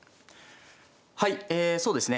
はいえそうですね